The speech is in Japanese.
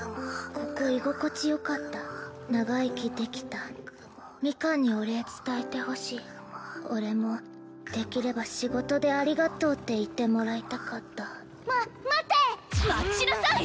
ここ居心地よかった長生きできたミカンにお礼伝えてほしい俺もできれば仕事でありがとうって言ってもらいたかったま待って待ちなさい！